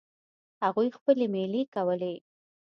هغوی خپلې میلې کولې.